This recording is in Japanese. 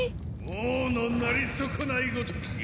王のなり損ないごときが。